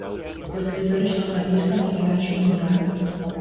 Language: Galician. O escritor e xornalista Miguel Anxo Murado.